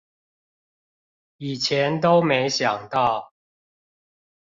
以前都沒想到